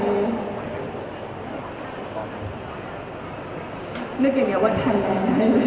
นึกอย่างเงี้ยวว่าไทยยังไง